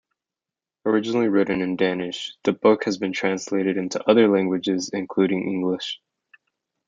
Originally written in Danish, the book has been translated into other languages including English.